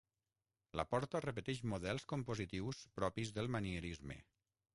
La porta repeteix models compositius propis del manierisme.